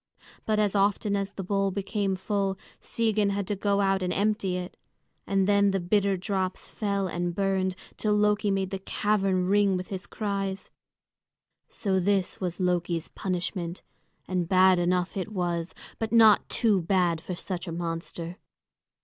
But as often as the bowl became full, Sigyn had to go out and empty it; and then the bitter drops fell and burned till Loki made the cavern ring with his cries. So this was Loki's punishment, and bad enough it was, but not too bad for such a monster.